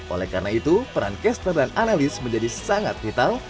oleh karena itu peran caster dan analis menjadi sangat vital